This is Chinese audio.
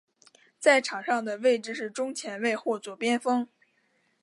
在场上的位置是中前卫或左边锋。